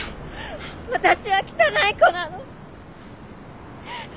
私は汚い子なの。